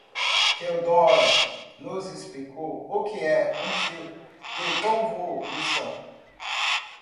Theodore nos explicou o que é um filtro de convolução.